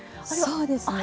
そうですね。